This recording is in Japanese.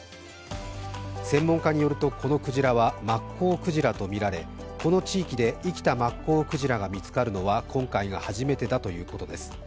専門家によるとこのクジラはマッコウクジラとみられこの地域で生きたマッコウクジラが見つかるのは今回が初めてということです。